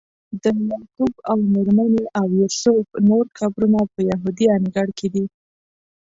د یعقوب او میرمنې او یوسف نور قبرونه په یهودي انګړ کې دي.